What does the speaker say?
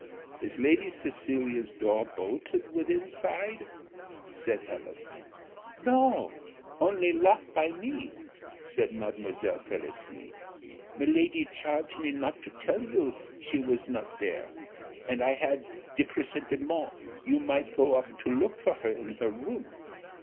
"Is Lady Cecilia's door bolted within side?" said Helen. "No, only lock by me," said Mademoiselle Felicie. "Miladi charge me not to tell you she was not dere. And I had de presentiment you might go up to look for her in her room.